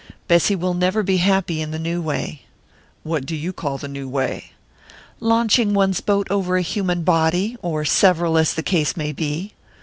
Bessy will never be happy in the new way." "What do you call the new way?" "Launching one's boat over a human body or several, as the case may be!"